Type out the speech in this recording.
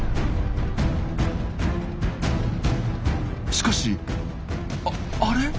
しかしあれ？